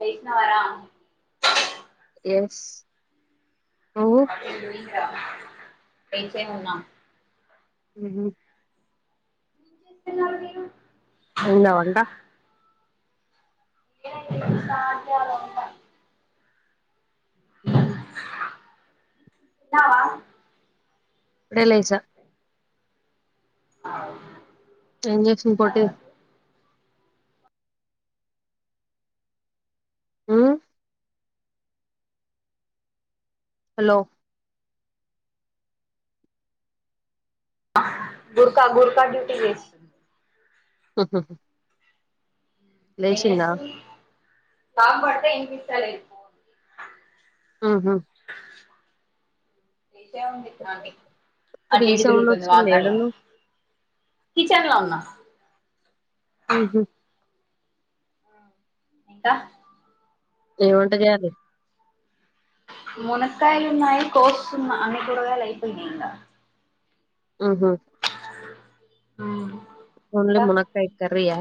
వేసినవరా. Yes. What are you doing రా పెన్చేం ఉన్నా. ఉమ్. నేను అలా తీయను. అయ్యిందా వంట. ఓకే నండి స్టార్ట్ చేయాలా వంట అ రావా ఇప్పుడే లేచా అవున్ ఇంజెక్షన్ పొట్టిది ఆ హలో గుర్కా గుర్కా డ్యూటీ చేస్తుంది. హహ ఏం చేస్తున్నావ్ సాంగ్ పాడితే వినిపిస్త లే ఆహా ఆ ఇటే ఉంది ఆంటీ రీ అటు ఇటు సౌండ్ తిరుగుతుంది వస్తుంది వాకర్ల ఏడున్నవ్ కిచన్ లో ఉన్నా ఉహు ఇంకా ఏం వంట చేయాలి? మునకాయలు ఉన్నాయి కోస్తున్న అన్ని కూరగాయలు అయిపోయాయి ఇంగ ఆహా ఉమ్ ఓన్లీ మునక్కాయ కర్రీయా?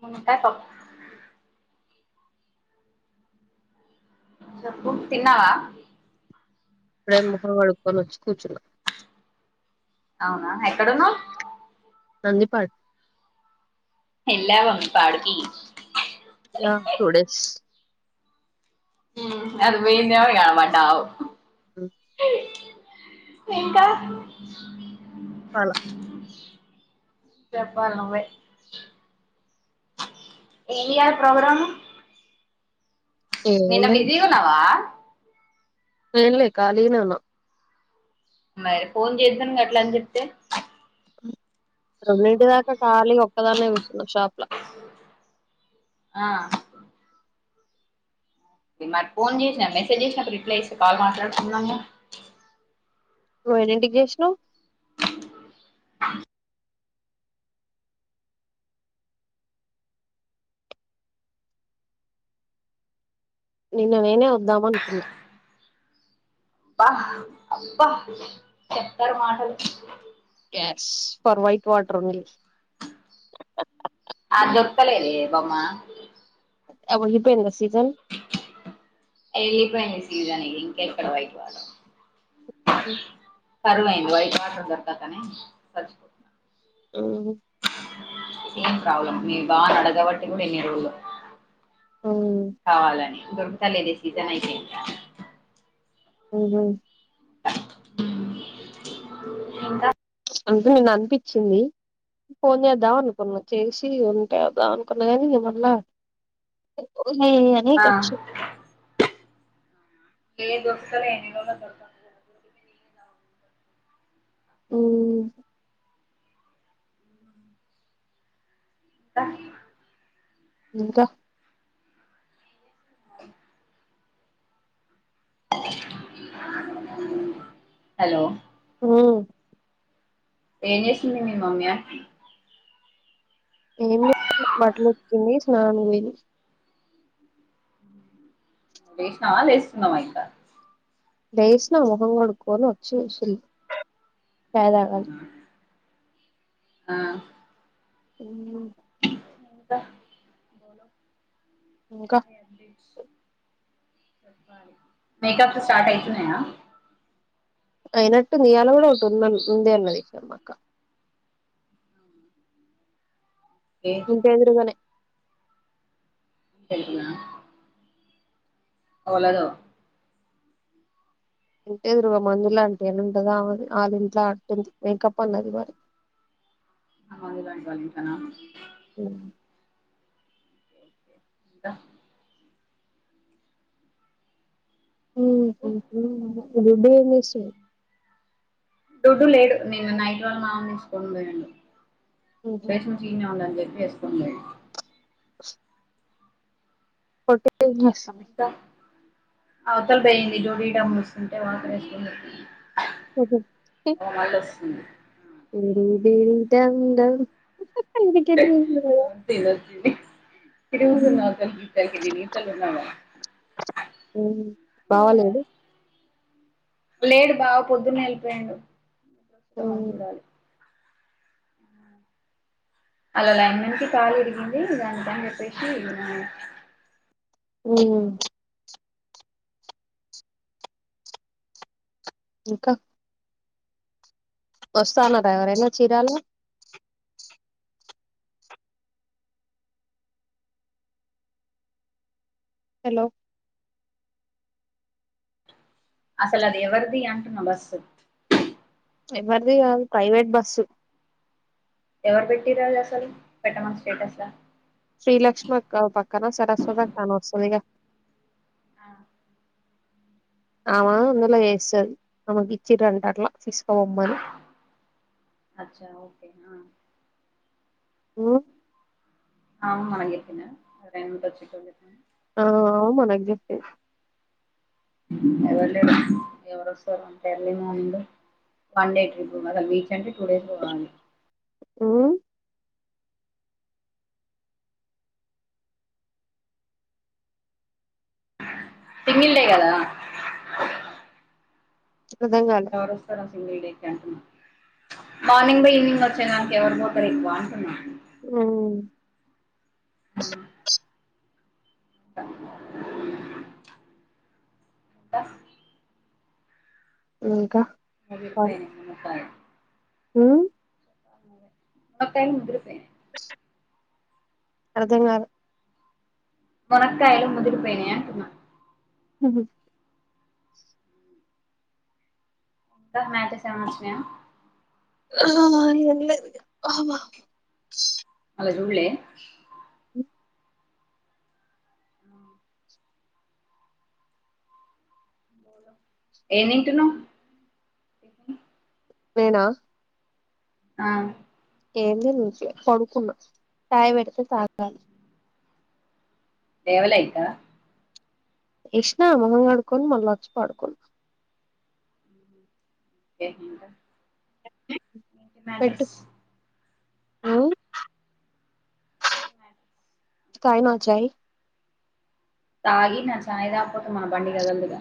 మునక్కాయ పప్పు చెప్పు తిన్నావా? ఇప్పుడే ముఖం కడుకోని వచ్చి కూచున్నా అవునా ఎక్కడున్నావ్? నందిపాట్ ఏళ్ళవా మీ పాడుకి యా టూడేస్ హామ్ అది బోయిదో ఇగ పడ్డావ్ హ ఇంకా వలా చెప్పాలనువే ఇయర్ ప్రోగ్రాం ఏం నిన్న బిజీగున్నావా? ఏన్లే ఖాళీనే వున్న మరి ఫోన్ చేద్దున్ గట్లన్ చెప్తే రెండింటి దాకా కాలిగా ఒక్కదానే కూసున్న షాప్లా ఆ మరి ఫోన్ చేచినా మెసేజ్ చేచిన్నపుడు రిప్లై ఇస్తే కాల్ మాట్లాడుకుందాంగా. ఓయిన్నిటికి చేచినవ్ ఆ నిన్నా నేనే వాద్దమనుకున్నా అబ్బా అబ్బ చెప్పరు మాటలు స్ ఫర్ వైఫ్ వాటరుంది ఆ జోక్తలేదే బొమ్మ అవి ఉండిపోయిండ ఎల్లి పోయింది సిజాన్ ఇంకెక్కడ వైపోవలే కరువైంది వైట్ వాటర్ దొరకాకనే సచ్ హ్మ్ సేమ్ ప్రాబ్లమ్ మీ బావనడగబట్టి కూడ ఎన్ని రోజుల్ కావాలనే దొరుకుతలేదే సీజన్ అయిపోయింది హుహు హ్మ్ ఇంకా అందుకే నిన్నపించింది ఫోన్ చేద్ధం అనుకున్నా చేసి ఉంటే వద్దవానుకున్న గాని ఇగా మళ్ళా హే అని ఆ ఇటోచ్చు ఏ దొర్కుతలే ఎన్ని రోలో దొరకాక హ్మ్ ద ఇంక హలో హ్మ్ ఏం చేసింది మీ మమ్మీ ఏం [inaudible] బట్టలుక్తుంది స్నాన్కి పోయింది లేచినావ లేస్తున్నావ ఇంకా లేష్న మొహం కడుకొని వచ్చి కూసున్న ఛాయ్ తాగాలి ఆ హ్మ్ ద ఇంకా యాయ్ అప్డేట్స్ మేక్ అప్స్ స్టార్ట్ అయితున్నాయ అయినట్టు నీయాల కూడ ఒకటుందన్ ఉందిన్నది ఇక్కడపక్క ఏ ఇంటెదురుగనే తెలుగునా ఓలదో ఇంటేదురుగ మందులా ఆంటీ అనుటది అవంది అళ్ళింట్ల అటుంది మేకపోలాంది మరి అల్వాయి వలికన హ్మ్ ద ఉహ్మ్ హు దుడ్డు ఏం చేస్తుండు దుడ్డు లేడు నిన్న నైట్ వాళ్ళ మామ తీసుకొని పోయిండు [unintelligible] ఉందని చెప్పి వేసుకొని పోయిండు [inaudible] పొట్టిదేం చేస్ ఇంకా అవతల పోయింది ఇద హీటర్ మూసింటే వాటర్ వేసు ఓ మల్లోస్తుంది దూది దీదీ డం డం [unintelligible] తిరుగుతుంది అవతలికి ఇవతలికి నేన్ ఇవతల ఉన్నాగ బావ లేడు లేడు బావ పొద్దునే ఎళ్ళిపోయిండు అలా లైన్ మ్యాన్ కి కాలు విరిగింది దానికని చెప్పేసి ఊ ఇంకా వస్తన్నారా ఎవరైనా చీరాలో హలో అసలు అది ఎవరిది అంటున్నా బస్ ఎవరిది గాదు ప్రైవేట్ బస్సు ఎవరు పెట్టిరు అది అసలు పెట్టమని స్టేటస్ క్కన సరస్వతక్క అని వస్తదిగా ఆ ఆమ అందుల ఏసది ఆమెకిచ్చిర్రంట అట్లా తీసుకబొమ్మని అచ్చ ఓకే ఉ ఆమ అని చెప్పిన ఆ అవ్ మనకు జెప్పి అ ఎవడు లేదు ఎవడొస్తాడు ఇంత early morning one day trip మల్ల బీచ్ అంటే టూ డేస్ పోవాలి ఉ సింగిల్ డే కదా అర్థం కాలే ఎవరోస్తారు ఆ సింగిల్ డే మార్నింగ్ లో ఈవినింగ్ వచ్చే దానికి ఎవరు పోతారు ఎక్కువ అంటున్న ఊ ఇంకా ముదిరిపోయినాయి మునకాయల్ ఉ మునకాయలు ముదిరిపోయయ్ అర్థం కాల మునకయాలు ముదిరిపోయినయ్ అంటున్న ఉహు అక్కకి మ్యాచెస్ ఏమైన వచ్చినాయా ఆ ఎన్లె మల్ల చూలే ఆ ఏం తింటున్నవ్ నేనా ఆ ఏంది లే పడుకున్నా చాయ్ పెడితే తాగుత లేవలే ఇంకా ఏష్నా మొఖం కడుక్కొని మల్లా వచ్చి పడుకున్న మ్యాట్రేస్ అవు ఏంటి మ్యాటర్స్ తైమొచ్చాయి తాగినా చాయ్ తాగ్పోతే మన బండి కదలదు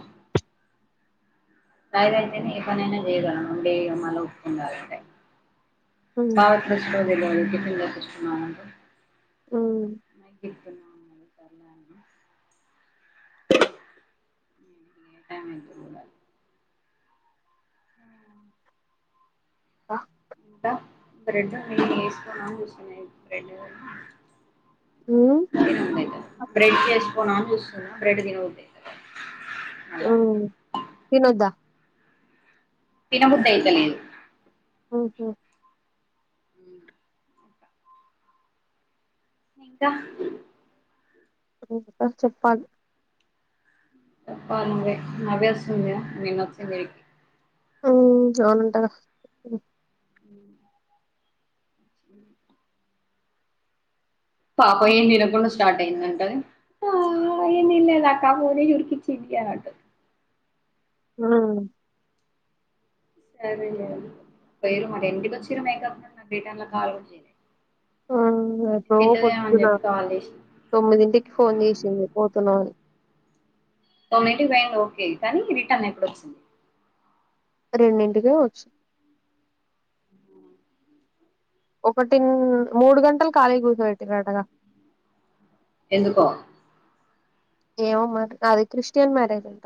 నాదైయితేనే ఏ పనైనా చేయగలమండి మళ్ళా ఒప్పుకుండాలంటే. ఉమ్ భావత్ ప్రశ ఉమ్ కిఫ [unintelligible] పల. ఆమె [unintelligible] ఆహ్. ఆహ్. ఆహ్ ఇంకా [inaudible] బ్రెడ్ కూ ఉమ్ బ్రెడ్. బ్రెష్ చేసుకుందామా అని చూస్తున్నా బ్రెడ్ తినొద్దు ఇంకా. ఉమ్ తినొద్దా. తిన బుద్ధి అయితలేదు. ఆహ్. ఇంకా. ఇంకా చెప్పాలి. చెప్పాలి నువ్వే నవ్య వస్తుంది కదా నేను వచ్చేసరికి. ఉమ్ అవునంటాగా ఉమ్. ఉమ్. పాపం ఏం తినకుండా స్టార్ట్ అయిందంటాది. ఆహ్ అయ ఇదకా ఆ ఫోనే ఉరికించి అంటుంది. ఆహ్. సరేలే అండి [unintelligible] ఎందుకు వచ్చిండ్రు డే టైం లో కాల్ వచ్చింది. ఆహ్ ఎప్పుడో పొద్దునా. చెప్పి కాల్ చేసిన తొమ్మిదింటికి ఫోన్ చేసింది పోతున్నాని. తొమ్మిదింటికి పోయింది ఓకే కానీ రిటర్న్ ఎప్పుడు వచ్చింది. రెండింటికే వచ్చు. ఒకటిన్ మూడు గంటలు ఖాళీ కూర్చోబెట్టిరంటగా. ఎందుకా. ఏమో మరి అది క్రిస్టియన్ మ్యారేజ్ అంట.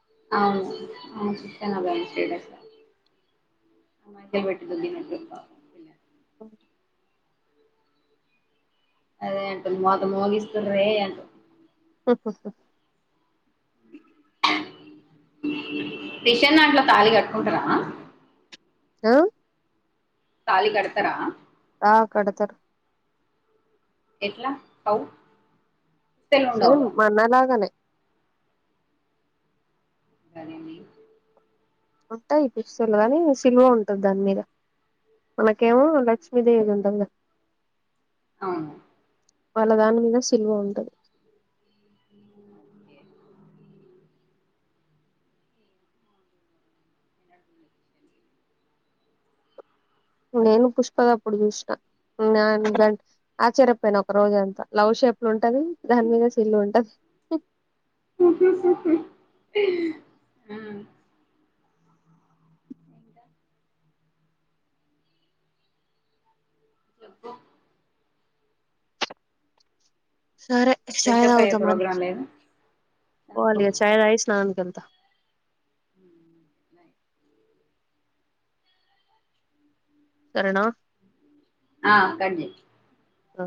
అవునువును [unintelligible] మాకేలు పెట్టింద [unintelligible] ఉమ్. అదే అంటున్నా మోత మోగిస్తుండ్రే అంట. ఉహూ. రిషన్ దాంట్లో తాళీ కట్టుకుంటారా. ఆహ్. తాళి కడతార. ఆహ్ కడతరు. ఎట్లా హౌ. తెలు సేమ్ ఉండవుగా మన్నాలాగానే. సరేండి. ఉంటాయి పిప్సలు కానీ సిల్వ ఉంటది దాని మీద. మనకేమో లక్ష్మీదేవి ఉంటదిగా. అవునా. వాళ్ళ దాని మీద సిలువ ఉంటది. నేను పుష్పాదప్పుడు చూసిన. నేను గం ఆశ్చర్యపోయిన ఒక రోజు అంతా లవ్ షేప్లు ఉంటది దాని మీద సిల్లువ ఉంటది. కుప్పు ఆ చెప్పు సరే ఫ్రెష్ చాయ్ అప్ అయ్యే తాగుతా మరి ప్రోగ్రాం లేదు పోలే చాయ్ తాగేసినావనుకున్నా తా సరేనా ఆ కట్ చెయ్ ఆ